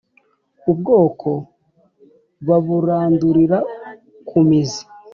ubwoko baburandurira ku muzi